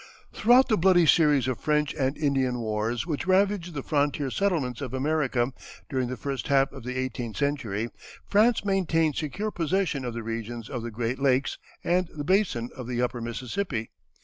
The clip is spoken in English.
Throughout the bloody series of French and Indian wars which ravaged the frontier settlements of America during the first half of the eighteenth century, France maintained secure possession of the regions of the great lakes and the basin of the upper Mississippi.